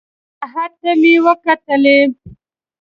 ساعت ته مې وکتلې.